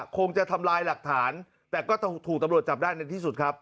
คงจะทำลายหลักฐานแต่ก็ถูกตำรวจจับได้ในที่สุดครับ